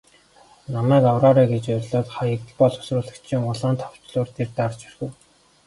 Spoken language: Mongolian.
Намайг авраарай гэж орилоод Хаягдал боловсруулагчийн улаан товчлуур дээр дарж орхив.